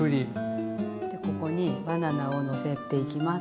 ここにバナナをのせていきます。